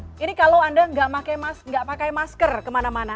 jadi kalau anda tidak pakai masker kemana mana